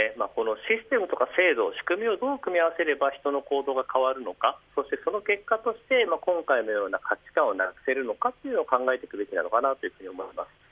システムや制度、仕組みをどう組み合わせれば人の行動が変わるのかそして、その結果として今回のような価値観をなくせるのかを考えていくべきだと思います。